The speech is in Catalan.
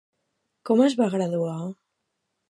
Com es va graduar?